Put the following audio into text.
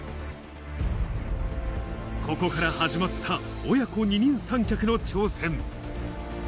ここから始まった親子二人三脚の挑戦。